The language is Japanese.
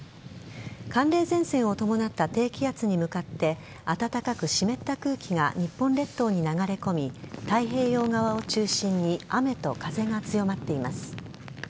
寒冷前線を伴った低気圧に向かって暖かく湿った空気が日本列島に流れ込み太平洋側を中心に雨と風が強まっています。